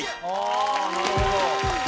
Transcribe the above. あなるほど。